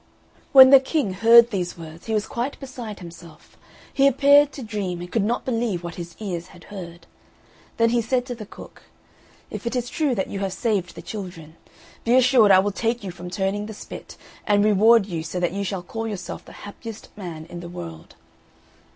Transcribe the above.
When the King heard these words he was quite beside himself; he appeared to dream, and could not believe what his ears had heard. Then he said to the cook, "If it is true that you have saved the children, be assured I will take you from turning the spit, and reward you so that you shall call yourself the happiest man in the world."